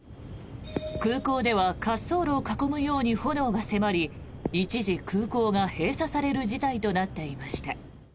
空港では滑走路を囲むように炎が迫り一時、空港が閉鎖される事態となっていました。